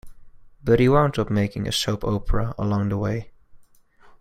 But he wound up making a soap opera along the way.